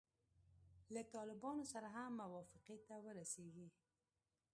له طالبانو سره هم موافقې ته ورسیږي.